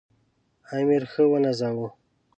امیر ښه ونازاوه.